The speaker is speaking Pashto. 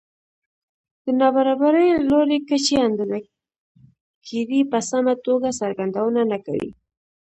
د نابرابرۍ لوړې کچې اندازه ګيرۍ په سمه توګه څرګندونه نه کوي